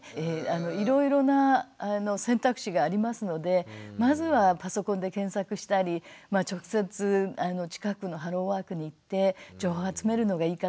いろいろな選択肢がありますのでまずはパソコンで検索したり直接近くのハローワークに行って情報を集めるのがいいかなと思います。